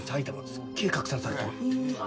すっげえ拡散されてるうわ